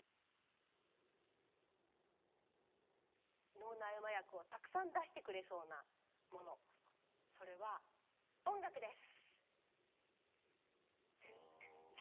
脳内麻薬をたくさん出してくれそうなものそれは音楽です！